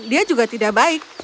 dia juga tidak baik